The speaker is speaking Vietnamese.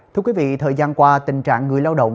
thưa quý vị thời gian qua tình trạng người lao động